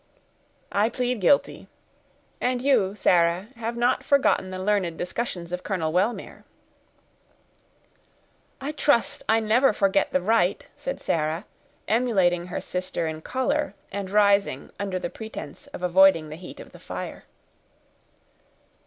"I plead guilty; and you. Sarah, have not forgotten the learned discussions of Colonel Wellmere." "I trust I never forget the right," said Sarah, emulating her sister in color, and rising, under the pretense of avoiding the heat of the fire.